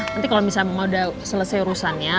nanti kalau mama udah selesai urusannya